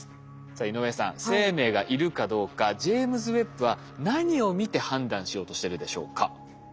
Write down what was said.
さあ井上さん生命がいるかどうかジェイムズ・ウェッブは何を見て判断しようとしてるでしょうか？